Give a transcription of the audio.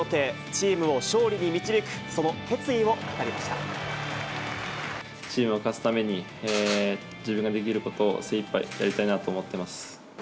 チームを勝利に導くその決意を語チームが勝つために、自分ができることを精いっぱいやりたいなと思ってます。